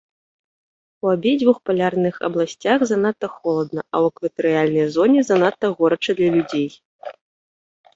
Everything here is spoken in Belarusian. У абедзвюх палярных абласцях занадта холадна, а ў экватарыяльнай зоне занадта горача для людзей.